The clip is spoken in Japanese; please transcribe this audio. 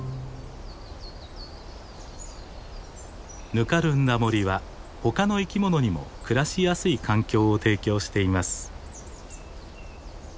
ぬかるんだ森は他の生き物にも暮らしやすい環境を提供しています。